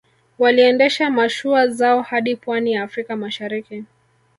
Waliendesha mashua zao hadi Pwani ya Afrika Mashariki